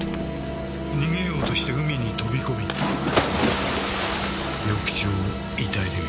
逃げようとして海に飛び込み翌朝遺体で見つかった。